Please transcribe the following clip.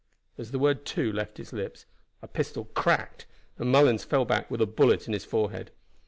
As the word "Two" left his lips, a pistol cracked, and Mullens fell back with a bullet in his forehead.